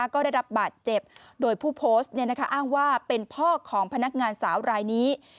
ก็ได้รับบาดเจ็บโดยผู้โพสต์อ้างว่าเป็นพ่อของพนักงานสาวรายนี้